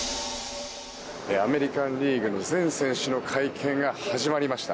アメリカン・リーグの全選手の会見が始まりました。